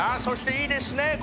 そしていいですね